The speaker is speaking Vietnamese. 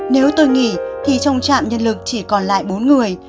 nếu tôi nghỉ thì trong trạm nhân lực chỉ còn lại bốn người